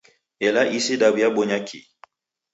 Ela isi daw'iabonya kii?